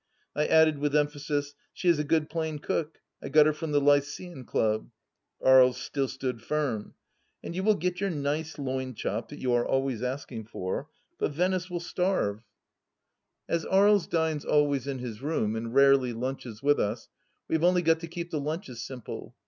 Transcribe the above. I added with emphasis :" She is a good plain cook ; I got her from the Lycean Club "— Aries still stood firm —" and you will get your nice loin chop that you are always asking for, but Venice will starve." 70 THE LAST JUliUil As Aries dines always in his room, and rarely lunches with us, we have only got to keep the lunches simple.